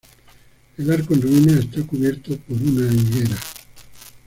El arco en ruinas está cubierto por una higuera.